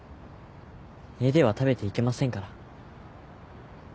絵では食べていけませんから。